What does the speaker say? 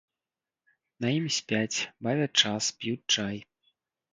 На ім спяць, бавяць час, п'юць чай.